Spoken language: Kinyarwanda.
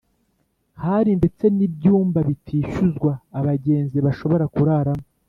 hari ndetse n’ibyumba bitishyuzwa abagenzi bashobora kuraramo.